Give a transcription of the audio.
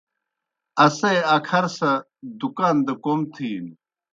اسے اکھر سہ دُکان دہ کوْم تِھینوْ۔